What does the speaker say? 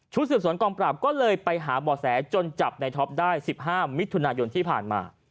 สืบสวนกองปราบก็เลยไปหาบ่อแสจนจับในท็อปได้๑๕มิถุนายนที่ผ่านมา